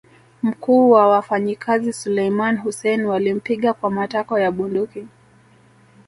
Mkuu wa wafanyikazi Suleiman Hussein walimpiga kwa matako ya bunduki